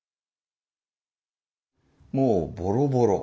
もうボロボロ。